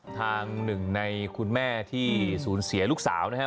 ทางหนึ่งในคุณแม่ที่สูญเสียลูกสาวนะฮะ